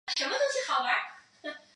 因境内岳阳县最高峰相思山而得名。